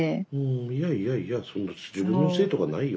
いやいやいやそんな自分のせいとかないよ。